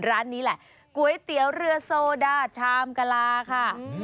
ร้านนี้แหละก๋วยเตี๋ยวเรือโซดาชามกะลาค่ะ